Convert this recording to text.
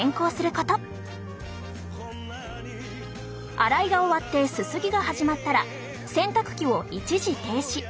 洗いが終わってすすぎが始まったら洗濯機を一時停止。